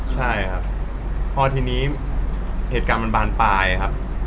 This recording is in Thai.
ใช่ครับพอทีนี้เหตุการณ์มันบานปลายครับ